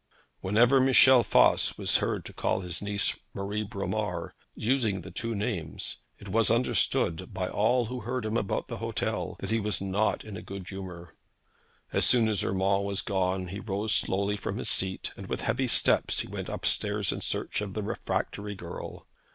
Whenever Michel Voss was heard to call his niece Marie Bromar, using the two names, it was understood, by all who heard him about the hotel, that he was not in a good humour. As soon as Urmand was gone, he rose slowly from his seat, and with heavy steps he went up stairs in search of the refractory girl.